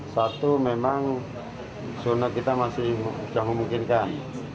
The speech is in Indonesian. satu memang zona kita masih sudah memungkinkan